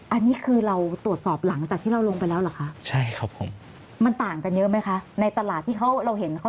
อันนี้คือเราตรวจสอบหลังจากที่เราลงไปแล้วหรือคะ